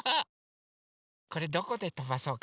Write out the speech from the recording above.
これどこでとばそうかな？